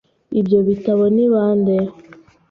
Ibyo bitabo ni bande?